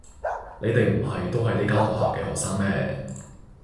你哋唔係都係呢間學校嘅學生咩？